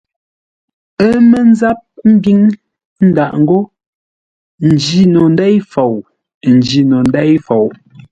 Ə́ mə́ ńzáp ḿbíŋ ndâʼ ngô njî no ndêi fou, n njîno ndêi fou.